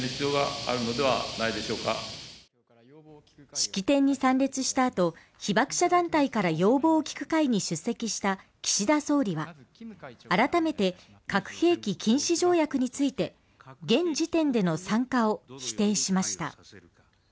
式典に参列したあと、被爆者団体から要望を聞く会に出席した岸田総理は、改めて、核兵器禁止条約について現時点での参加を否定しました。